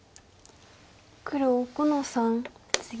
黒５の三ツギ。